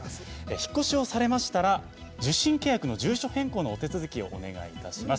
引っ越しをされましたら受信契約の住所変更のお手続きをお願いいたします。